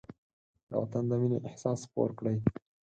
د وطن د مینې احساس خپور کړئ.